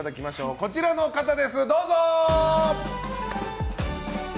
こちらの方です、どうぞ！